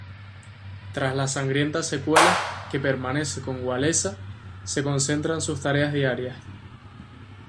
Tras las sangrientas secuelas, que permanece con Wałęsa, se concentra en sus tareas diarias.